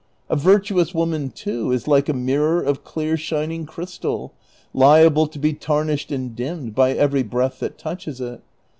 A virtuous woman, too, is like a mirror of clear shining crystal, liable to be tarnished and dimmed by every breath that touches it.